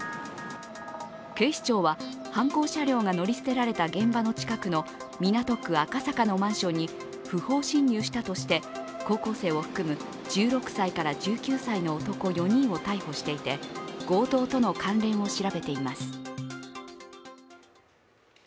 警視庁は犯行車両が乗り捨てられた現場の近くの港区赤坂のマンションに不法侵入したとして高校生を含む１６歳から１９歳の男４人を逮捕していて、強盗との関連を調べています。